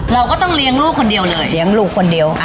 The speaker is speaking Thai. เราก็ต้องเลี้ยงลูกคนเดียวเลย